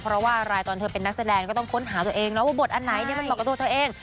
เพราะว่าไลน์ตอนเธอเป็นนักแสดงก็ต้องค้นหาตัวเอง